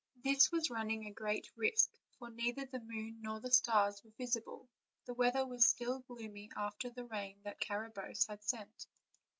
This was running a great risk, for neither the moon nor stars were visible; the weather was still gloomy after the rain that Cara bosse had sent.